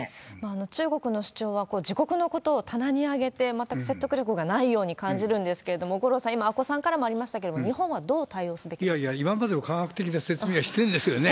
中国の主張は、自国のことを棚に上げて、全く説得力がないように感じるんですけれども、五郎さん、今阿古さんからもありましたけれども、日本はどう対応すべきでしいやいや、今までも科学的なそうですよね。